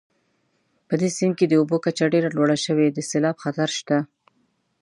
په دې سیند کې د اوبو کچه ډېره لوړه شوې د سیلاب خطر شته